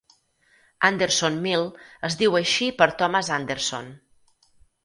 Anderson Mill es diu així per Thomas Anderson.